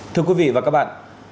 thưa quý vị và các bạn